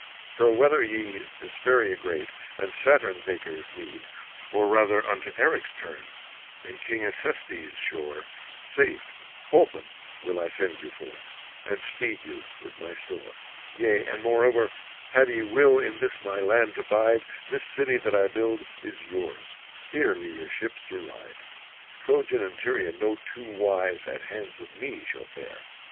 So whether ye Hesperia great, and Saturn's acres need, Or rather unto Eryx turn, and King Acestes' shore, Safe, holpen will I send you forth, and speed you with my store: Yea .and moreover, have ye will in this my land to bide, This city that I build is yours: here leave your ships to ride: Trojan and Tyrian no two wise at hands of me shall fare.